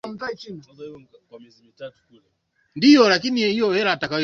Ingawaje dhambi, makosa yangu, Yesu alinipenda wa kwanza